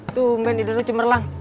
tumben ini udah cemerlang